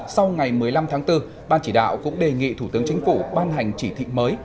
sau ngày một mươi năm tháng bốn ban chỉ đạo cũng đề nghị thủ tướng chính phủ ban hành chỉ thị mới